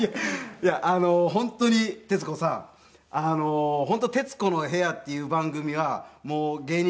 いや本当に徹子さん『徹子の部屋』っていう番組はもう芸人さん